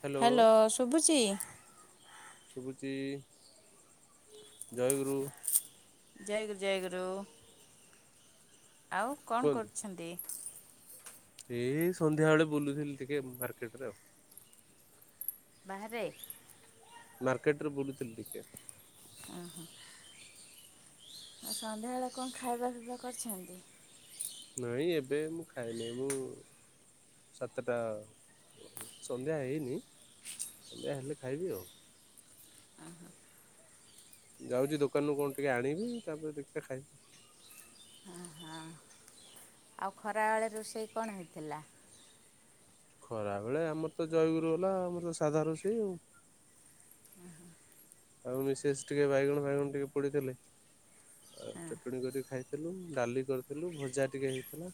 Hello hello ଶୁଭୁଚି? ସୁୁବୁଚି ଜଏଗୁରୁ। ଯଏ ଗୁରୁ ଯୟଗୁରୁ ଆଉ କଣ କୁହନ୍ତୁ। କରୁଛନ୍ତି। ଏଇ ସନ୍ଧ୍ୟାବେଳେ ବୁଲୁଥିଲି ଟିକେ ମାର୍କେଟ ରେ ଆଉ। ବାହାରେ। ମାର୍କେଟରେ ବୁଲୁଥିଲି ଟିକେ। ଓ ହୋ। ଆଉ ସନ୍ଧ୍ୟା ବଳେ କଣ ଖାଇବା ପିବା କରିଛନ୍ତି? ଖାଇଲେ ମୁଁ ସାତଟା ସନ୍ଧ୍ୟା ହେଇନି ଯାହା ହେଲେ ଖାଇବି ଆଉ। ଯାଉଚି ଦୋକାନରୁୁ କଣ ଟିକେ ଆଣିବି ତାପରେ ଦେଖିଆ ଖାଇବି। ଆଉ ଖରାବେଳେ ରୋଷେଇ କଣ ହେଇଥିଲା? ଖରା ବେଳେ ଆମର ତ ଜଏଗୁରୁ ଵାଲା ଆମର ତ ସାଧା ରୋଷେଇ ଆଉ। ଆଉ ମିସେସ୍ ଟିକେ ବାଇଗଣ ଫାଇଗଣ ଟିକେ ପୋଡ଼ିଥିଲେ। ଆଉ ଚଟଣି କରିକି ଖାଇଥିଲୁ ଡାଲି କରିଥିଲୁ ଭଜା ଟିକେ ହେଇଥିଲା।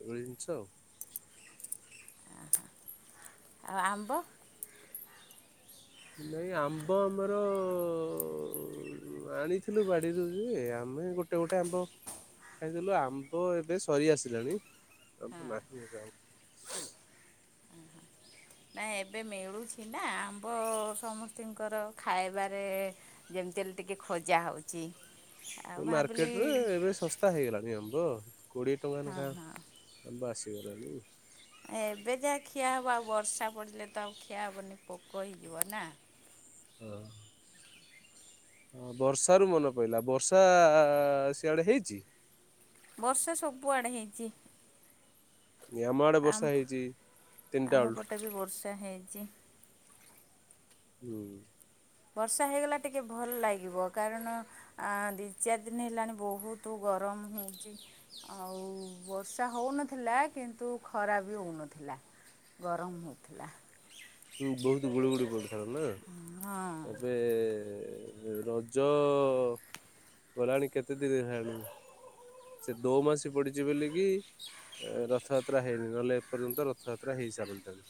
ଏଭଳି ଜିନିଷ ଆଉ। ଆଉ ଆମ୍ବ। ନାଇଁ ଆମ୍ବ ଆମର ଅ ଆଣିଥିଲୁ ବାଡିରୁ ଯେ ଆମେ ଗୋଟେ ଗୋଟେ ଆମ୍ବ ଖାଇଥିଲୁ ଆମ୍ବ ଏବେ ସରି ଆସିଲାଣି। ଆଉ ତ ନାହିଁ ଏବେ ଆଉ। ନାଇ ଏବେ ମିଳୁଛି ନା ଆମ୍ବ ସମସ୍ତଙ୍କର ଖାଇବାରେ ଯେମ ଡେଲ ଟିକି ଖୋଜା ହେଉଚି। ଏ ମାର୍କେଟ ରେ ଏବେ ଶସ୍ତା ହେଇଗଲାଣି ଆମ୍ବ କୋଡିଏ ଟଙ୍କା ନେଖା ଆମ୍ବ ଆସ ହେଇଗଲାଣି। ଏବେ ଯାହା ଖିଆ ହେବ ଆଉ ବର୍ଷା ପଡ଼ିଲେ ତ ଆଉ ଖିଆ ହେବନି ପୋକ ହେଇଯିବ ନା। ହଁ। ହ ବର୍ଷା ରୁ ମନେ ପଇଲା ବର୍ଷା ସିଆଡ଼େ ହେଇଚି? ବର୍ଷା ସବୁଆଡେ ହେଇଚି। ଆମ ଆଡେ ବର୍ଷା ଆମ ହେଇଛି ତିନିଟା ଆମ ବେଳଠୁ ପଟେ ବି ବର୍ଷା ହେଇଚି। ହୁଁ। ବର୍ଷା ହେଇଗଲା ଟିକେ ଭଲ ଲାଗିବ କାରଣ ଦି ଚାରି ଦିନ ହେଲାଣି ବହୁତ ଗ ରମ ହେଉଛି ଆଉ ବର୍ଷା ହେଉନଥିଲା କିନ୍ତୁ ଖରା ବି ହେଉନଥିଲା। ଗରମ ହୋଉଥୁଲା। ହ ବହୁତ ଗୁଳି ଗୁଳି ପଡ଼ୁଥିଲା ନା ହଁ ଏବେ ରଜ ଗଲାଣି କେତେ ଦିନ ହେଲାଣି? ସେ ଦୋ ମାସ ପଡିଛି ବୋଲିକି ରଥଯାତ୍ରା ହେଇନି ନହେଲେ ଏପର୍ଯ୍ୟନ୍ତ ରଥଯାତ୍ରା ହେଇ ସାରନ୍ତାଣି।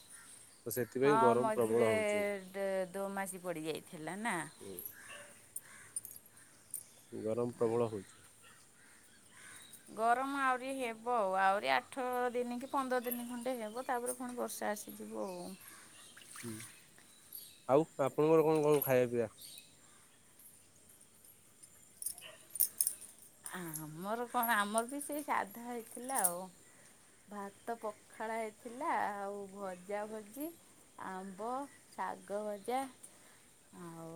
ହଁ ମଝିରେ ଦୋମାସ ପଡ଼ିଯାଇଥିଲା ନା ଗରମ ପ୍ରବଳ ହଉଚି। ଗରମ ଆହୁରି ହେବ ଆଉ ଆହୁରି ଆଠ ଦିନ କି ପନ୍ଦର ଦିନ ଖଣ୍ଡେ ହେବ ତାପରେ କଣ ବର୍ଷା ଆସିଯିବ ଆଉ। ଆଉ ଆପଣଙ୍କର କଣ କ ଖାଇବା ପିଇବା? ଆମର କଣ ଆମର ବି ସେଇ ସାଧା ହେଇଥିଲା ଆଉ। ଭାତ ପଖାଳ ହେଇଥିଲା ଆଉ ଭଜା ଭଜି ଆମ୍ବ ଶାଗ ଭଜା ଆଉ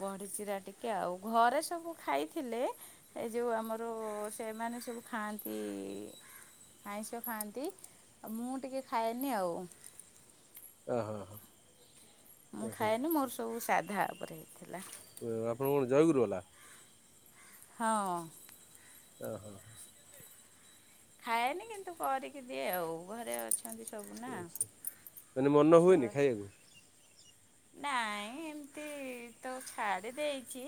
ବଡିଚୁରା ଟିକେ ଆଉ ଘରେ ସବୁ ଖାଇଥିଲେ ଏ ଯେଉଁ ଆମର ସେମାନେ ସବୁ ଖାଆନ୍ତି ଆଇଁଷ ଖାଆନ୍ତି ମୁଁ ଟିକେ ଖାଏନି ଆଉ। ଅ ହଁ। ମୁଁ ଖାଏନି ମୋର ସବୁ ସାଧା ଉପରେ ହେଇଥିଲା। ଜୟଗୁୁରବାଲା। ହଁ। ଓହୋ। ଖାଏନି କିନ୍ତୁ କରିକି ଦିଏ ଆଉ ଘରେ ଅଛୁ। ମାନେ ମନ ଛୁଆ ହୁଏନି ଖାଇଆକୁ ନାଇଁ ଏମତି ତ ଛାଡି ଦେଇଛି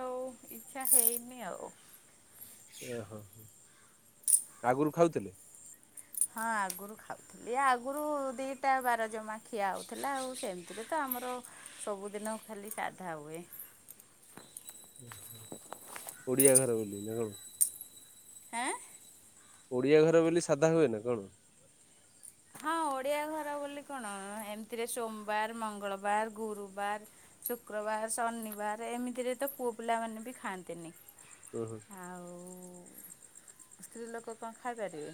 ଆଉ ଇଛା ହେଇନି ଆଉ। ଓହୋ ଆଗରୁ ଖାଉଥିଲେ? ହଁ ଆଗୁରୁ ଖାଉଥିଲି ଏ ଆଗୁରୁ ଦିଟା ବାର ଜମା ଖିଆ ହଉଥିଲା ଆଉ ସେମିତିରେ ତ ଆର ସବୁଦିନ ଖାଲି ସାଧା ହୁଏ। ଓଡ଼ିଆ ଘର ବୋଲି ନା କଣ? ଆଁ ଓଡିଆ ଘର ବୋଲି ସାଧା ହୁଏ ନା କଣ? ହଁ ଓଡିଆ ଘର ବୋଲି କଣ ଏମିତିରେ ସୋମବାର, ମଙ୍ଗଳବାର, ଗୁରୁବାର ଶୁକ୍ରବାର ଶନିବାର ଏମିତିରେ ତ ପୁଅ ପିଲାମାନେ ବି ଖାଆନ୍ତିନି। ହୁଁ ହୁଁ ଆଉ ସ୍ତ୍ରୀ ଲୋକ କଣ ଖାଇପାରିବେ?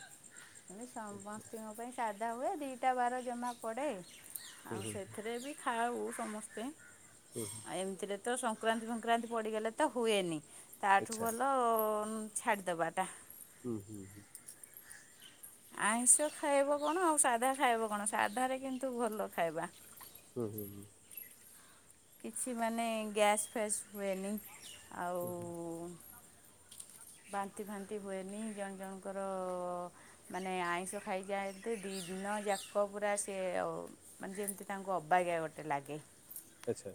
ଏମି ସମସ୍ତିଙ୍କ ପାଇଁ ସାଧା ହୁଏ ଦିଇଟା ବାର ଜମା ପଡ଼େ ଆଉ ସେଥିରେ ଖାଉ ସମସ୍ତେ ଆଉ ଏମତି ତ ସଂକ୍ରାନ୍ତି ଫକ୍ରାନ୍ତି ପଡ଼ିଗଲେ ତ ହୁଏନି ତାଠୁ ଆଚ୍ଛା ଭଲ ଛାଡ଼ିଦବା ଟା। ହୁଁ। ଆଇଁଷ ଖାଇବ କଣ ଆଉ ସାଧା ଖାଇବ କଣ ସାଧା କିନ୍ତୁ ଭଲ ଖାଇବା। ହୁଁ ହୁଁ ହୁଁ। କିଛି ମାନେ ଗ୍ୟାସ୍ ଫ୍ୟାସ୍ ହୁଏନି ଆଉ ବାନ୍ତି ଫାନ୍ତି ହୁଏନି ଜଣେ ଜଣଙ୍କର ମାନେ ଆଇଁଷ ଖାଇଯାଆନ୍ତି ଦିନଯାକ ପୁରା ସେ ମାନେ ଯେମିତି ତାଙ୍କୁ ଅବାଗିଆ ଗୋଟେ ଲାଗେ। ଆଛା ଆଛା।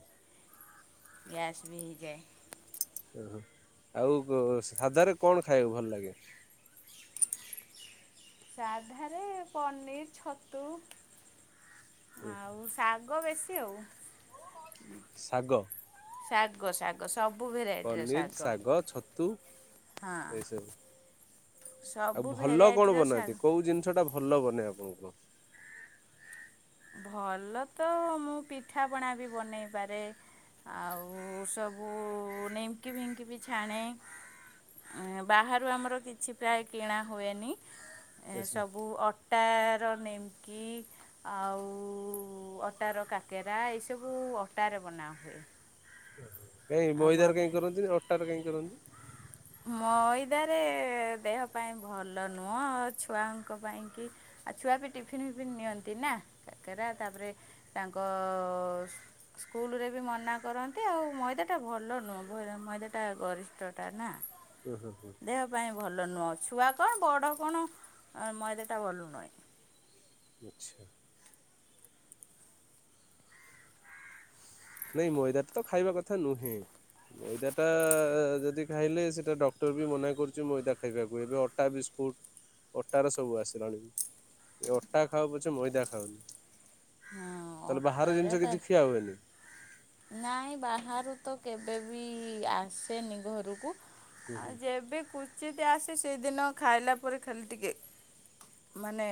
ଗ୍ୟାସ ବି ହେଇଯାଏ। ଓହୋ ଆଉ ସାଧାରେ କଣ ଖାଇବାକୁ ଭଲ ଲାଗେ? ସାଧାରେ ପନିର ଛତୁ ଆଉ ସା ଗୁ ବେଶୀ ଆଉ। ସାଗ ଶାଗ ଶାଗ ସବୁ ସବୁ ଭେରାଇଟ ର ପନିର୍, ସାଗ ଶାଗ, ଛତୁ ହଁ। ଏସବୁ ଆଉ ସବୁ ଭଲ କଣ ଭେରାଇଟିର ବନାନ୍ତି ଶାଗ କୋଉ ଜିନିଷ ଟା ଭଲ ବନେ ଆପଣ କୁହ। ଭଲ ତ ମୁଁ ପିଠାପଣା ବି ବନେଇ ପାରେ। ଆଉ ସବୁ ନିମ୍କି ଫିଙ୍କି ବି ଛାଣେ। ବାହାରୁ ଆମର କିଛି ପ୍ରାୟ କିଣା ହୁଏନି। ଆଚ୍ଛା ସବୁ ଅଟାର ନୀମକି। ଆଉ ଅଟାର କାକେରା ଏସବୁ ଅଟାରେ ବନାହୁଏ। କାଇଁ ମଇଦାରେ କାଇଁ କରନ୍ତି ନି ଅଟାରେ କାଇଁ କରନ୍ତି। ମଇଦା ରେ ଦେହ ପାଇଁ ଭଲ ନୁହଁ ଛୁଆଙ୍କ ପାଇଁ କି। ଆଉ ଛୁଆ ବି ଟିଫିନ୍ ଫିଫିନ୍ ନିଅନ୍ତି ନା କକେରା ତାପରେ ତାଙ୍କ ସ୍ ସ୍କୁଲରେ ବି ମନା କରନ୍ତି ଆଉ ମଇଦା ଟା ଭଲ ନୁହେଁ ମଇଦାଟା ଗରିଷ୍ଟ ଟା ନା। ଦେହ ପାଇଁ ଭଲ ନୁହ। ଛୁଆ କଣ ବଡ଼ କଣ ମଇଦା ଟା ଭଲ ନୁଏ। ଆଚ୍ଛା। ନାଇ ମଇଦା ଟା ତ ଖାଇବା କଥା ନୁହେଁ। ମଇଦା ଟା ଯଦି ଖାଇଲେ ସେଟା ଡକ୍ଟର ବି ମନା କରୁଚି ମଇଦା ଖାଇବାକୁ ଏବେ ଅଟା ବିସ କୁଟ ଅଟାର ସବୁ ଆସିଲାଣି ଏ ଅଟା ଖାଅ ପଛେ ମଇଦା ଖାଅନି। ହଁ ତାହେଲେ ବାହାର ଅଟାର ଜିନିଷ ତା କିଛି ଖିଆ ହୁଏନି। ନାଇଁ ବାହାରୁ ତ କେବେ ବି ଆସେନି ଘରୁକୁ। ହୁଁ ହୁଁ ଆଉ ଯେବେ କୁଚିତ ଆସେ ସେଦିନ ଖାଇଲା ପରେ ଖାଲି ଟିକେ। ମାନେ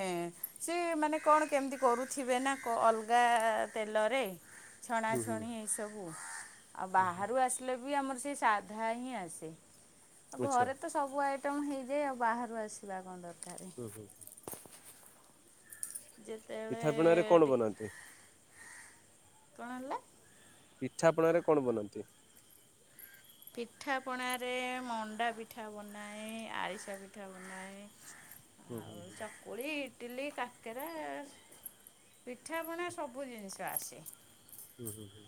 ସେ ମାନେ କଣ କେମିତି କରୁଥିବେ ନା ଅଲଗା ତେଲରେ। ହୁଁ ହୁଁ ଛଣାଛଣି ଏଇସବୁ। ଆଉ ବାହାରୁ ଆସିଲେ ବି ଆମର ସେଇ ସାଧା ହିଁ ଆସେ ଆଚ୍ଛା ଘରେ ତ ସବୁଆଇ ଟମ୍ ହେଇଯାଏ ଆଉ ବାହାରୁ ଆସିବା କଁ ଦରକାର। ହୁଁ ହୁଁ। ଯେତେବେଳେ ପିଠା ପଣାରେ କଣ ଟିକ ବନାନ୍ତି। କଣ ହେଲା। ପିଠା ପଣାରେ କଣ ବନାନ୍ତି। ପିଠା ପଣା ରେ ମଣ୍ଡା ପିଠା ବନାଏ ଆରିସା ପିଠା ବନାଏ। ହୁଁ ହୁଁ ଆଉ ଚକୁଳି ଇ ଟିଲି କାକେରା ପିଠାପଣା ସବୁ ଜିନିଷ ଆସେ। ହୁଁ ହୁଁ ହୁଁ।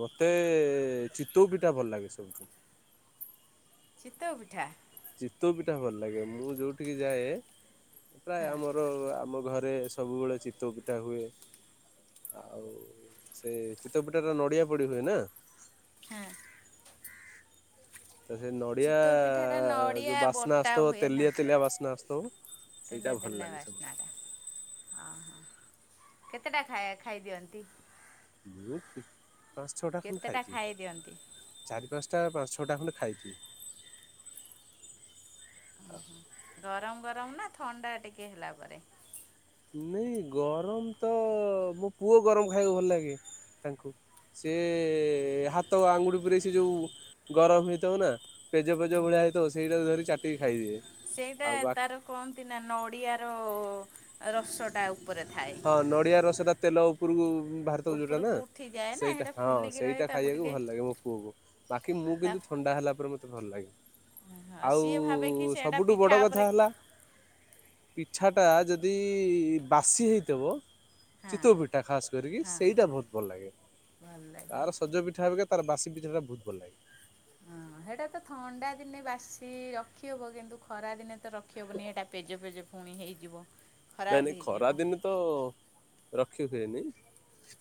ମତେ ଚିତଉ ପିଠା ଭଲ ଲାଗେ ସବୁଠୁ। ଚିତ୍ତଉ ପିଠା। ଚିତଉ ପିଟା ଭଲ ଲାଗେ ମୁଁ ଯୋଉଠିକି ଯାଏ। ପ୍ରାୟ ହଁ ଆମର ଆମ ଘରେ ସବୁବେଳେ ଚିତଉ ପିଠା ହୁଏ। ଆଉ ସେ ଚିତଉ ପିଠା ଟା ନଡିଆ ପଡି ହୁଏ ନା। ହାଁ। ତ ସେ ନଡ଼ିଆ ଚିତଉ ପିଠା ଟା ନଡି ଯୋଉ ଡିଆ ବାସ୍ନା ବଟା ଆସୁଥିବ ହୁଏ ନା ତେଲିଆ ତେଲିଆ ବାସ୍ନା ଆସୁଥିବ। ସେଇଟା ତେଲିଆ ଭଲ ତେଲିଆ ଲାଗେ ସବୁଠୁ ବାସ୍ନା ଟା। ଅ ହଁ କେତେଟା ଖା ଖାଇଦିଅନ୍ତି। ମୁଁ ପାଞ୍ଚ ଛଅଟା ଖଣ୍ଡେ ଖାଇ କେତେଟା ଖାଇଦିଅନ୍ତି ଦିଏ ଚାରି ପାଞ୍ଚଟା ପାଞ୍ଚ ଛ ଛଅଟା ଖଣ୍ଡେ ଖାଇଥିବି। ଉଁ ହୁଁ ଗରମ ଗରମ ନା ଥଣ୍ଡା ଟିକେ ହେଲା ପରେ। ନାଇ ଗରମ ତ ମୋ ପୁଅ ଗରମ ଖାଇବାକୁ ଭଲ ଲାଗେ ତାଙ୍କୁ। ସେ ହାତ ଆଙ୍ଗୁଟି ପୁରେଇ ସେ ଯୋଉ ଗରମ ହେଇଥିବ ନା। ପେଜ ପେଜ ଭଳିଆ ହେଇ ଥୀବ ସେଇଟାକୁ ଧରି ଚାଟିକି ଖାଇଦିଏ। ସେଇଟା ଆଉ ବାକି ତାର କହନ୍ତି ନା ନଡିଆର ରସ ଟା ଉପରେ ଥାଏ। ହଁ ନଡିଆ ରସଟା ତେଲ ଉପୁରୁକୁ। ଭାରତକୁ ଯୋଉଟା ନା ଉପରକୁ ଉଠିଯାଏ ନା ସେଇଟା ହଁ ଫୁଲିକି ରହେ ସେଇଟା ତାକୁ ଖାଇବାକୁ ଟିକେ ଭଲ ଲାଗେ ମୋ ପୁଅକୁ ବାକି ମୁଁ ତା କିନ୍ତୁ ଥଣ୍ଡା ହେଲା ପରେ ମୋତେ ଭଲ ଲାଗେ ହଁ ଆଉ ସିଏ ଭାବେ କି ସେଇଟା ସବୁଠୁ ବଡ଼ ପିଠା କଥା ଉପରେ ହେଲା ପିଠା ଟା ଯଦି ବାସି ହେଇଥିବ ହଁ ଚିତଉ ପିଠା ଖାସ୍‌ କରିକି ହଁ ସେଇଟା ବହୁତ ଭଲ ଲାଗେ ଭଲ ଲାଗେ। ଆଉ ସଜ ପିଠା ଅବିକା ତାର ବାସି ପିଠା ବହୁତ ଭଲ ଲାଗେ। ହଁ ହେଇଟା ତ ଥଣ୍ଡା ଦିନେ ବାସି ରଖି ହବ କିନ୍ତୁ ଖରା ଦିନେ ତ ରଖିେବନି ଏଇଟା ପେଜ ପେଜ ପୁଣି ହେଇଯିବ। ନାଇଁ ଖରାପ ନାଇଁ ହେଇଯିବ ଖରା ଦିନ ତ ରଖି ହୁଏନି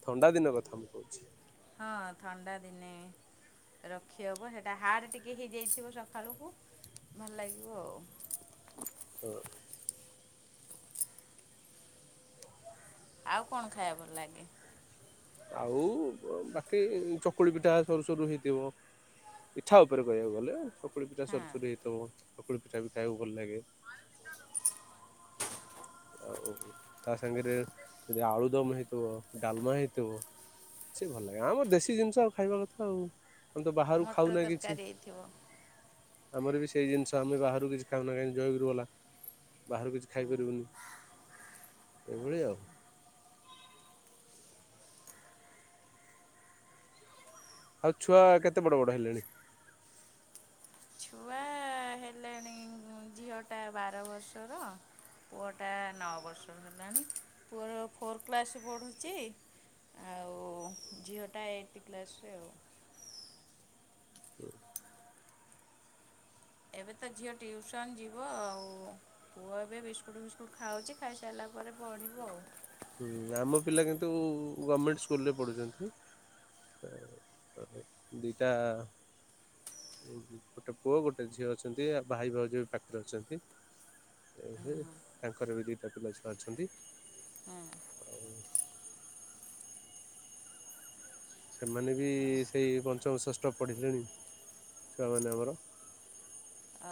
ଥଣ୍ଡା ଦିନ କଥା ମୁଁ କହୁଛି। ହଁ ଥଣ୍ଡା ଦିନେ ରଖି ହବ ହେଟା ହାଡ୍ ଟିକେ ହେଇଯାଇଥିବ ସକାଳକୁ। ଭଲ ଲାଗିବ ଆଉ। ହଁ। ଆଉ କଣ ଖାଇବା ଭଲ ଲାଗେ? ଆଉ ବାକି ଚକୁଳି ପିଠା ସରୁ ସରୁ ହେଇଥିବ। ପିଠା ଉପରେ କହିବାକୁ ଗଲେ ଚକୁଳି ପିଠା ହଁ। ସରୁସରୁ ହେଇଥିବ ଚକୁଲି ପିଠା ବି ଖାଇବାକୁ ଭଲ ଲାଗେ। ଆଉ ତା ସାଙ୍ଗରେ ଯଦି ଆଳୁଦମ ହେଇଥିବ ଡାଲମା ହେଇଥିବ ସେ ଭଲ ଲାଗେ ଆମ ଦେଶି ଜିନିଷ ଆଉ ଖାଇବା କଥା ଆଉ। ଆମେ ତ ବାହାରୁ ମଟର ଖାଉନା କିଛି ତରକାରୀ ହେଇଥିବ ଆମର ବି ସେଇ ଜିନିଷ ଆମେ ବାହାରୁ କିଛି ଖାଉନା କାହିଁକି ଜୟଗୁରୁ ବାଲା ବାହାରକୁ କିଛି ଖାଇପାରିବୁନି। ଏଭଳିଆ ଆଉ। ଆଉ ଛୁଆ କେତେ ବଡ଼ ବଡ଼ ହେଲେଣି? ଝିଅ ଟା ବାର ବର୍ଷର। ପୁଅଟା ନଅ ବର୍ଷ ହେଲାଣି ପୁଅର ଫୋର୍ କ୍ଲାସ ପଢ଼ୁଛି ଆଉ ଝିଓଟା ଏଇଟ୍ କ୍ଲାସରେ ଆଉ। ଏବେ ତ ଝିଅ ଟିଉସନ ଯିବ ଆଉ ପୁଅ ଏବେ ବିସ୍କୁଟ ଫିସ୍କୁଟ ଖାଉଛି ଖାଇସାରିଲା ପରେ ପଢିବ ଆଉ। ହୁଁ ଆମ ପିଲା କିନ୍ତୁ ଗମେଣ୍ଟ ସ୍କୁଲରେ ପଢ଼ୁଛନ୍ତି। ଦୁଇଟା ଗୋଟେ ପୁଅ ଗୋଟେ ଝିଅ ଅଛନ୍ତି ଆଉ ଭାଇ ଭଉଜ ବି ପାଖରେ ଅଛନ୍ତି। ଉଁ ହୁଁ ତାଙ୍କର ବି ଦୁଇଟା ପିଲା ଛୁଆ ଅଛନ୍ତି। ଆଉ ସେମାନେ ବି ସେଇ ପଞ୍ଚମ ଷେଷ୍ଠ ପଢ଼ିଲେଣି। ଛୁଆମାନେ ଆମର। ଅ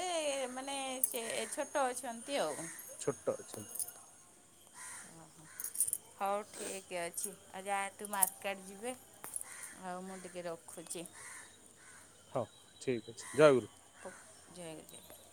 ଏ ମାନେ ସେ ଛୋଟ ଅଛନ୍ତି ଆଉ। ଛୋଟ ଅଛନ୍ତି। ହଉ ଠିକ ଅଛି ଆଜ୍ଞା ଯାଆନ୍ତୁ ମାର୍କେଟ ଯିବେ। ଆଉ ମୁଁ ଟିକେ ରଖୁଛି। ହଁ ଠିକ୍ ଅଛି ଜୟଗୁରୁ। ପ ଜୟଗୁରୁ ଜୟଗୁରୁ।